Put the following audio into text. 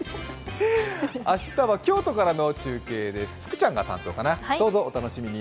明日は京都からの中継です、福ちゃんが担当かな、お楽しみに。